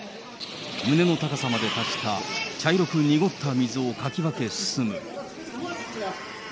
胸の高さまで達した、茶色く濁った水をかき分け進む。